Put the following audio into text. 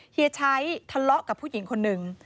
เฮียชัยทะเลาะกับผู้หญิงคนหนึ่ง